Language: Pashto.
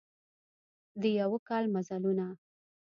د یوه کال مزلونه